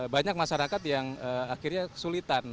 banyak masyarakat yang akhirnya kesulitan